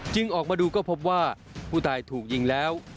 ออกมาดูก็พบว่าผู้ตายถูกยิงแล้ว